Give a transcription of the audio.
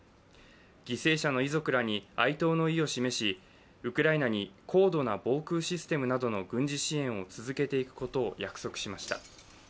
犠牲者の遺族らに、哀悼の意を示しウクライナに高度な防空システムなどの軍事支援を続けていくことを約束しました。